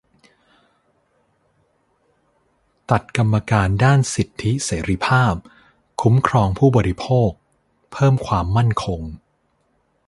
ตัดกรรมการด้านสิทธิเสรีภาพ-คุ้มครองผู้บริโภค เพิ่มความมั่นคง